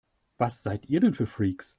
Was seid ihr denn für Freaks?